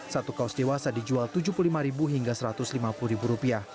satu kaos dewasa dijual rp tujuh puluh lima hingga rp satu ratus lima puluh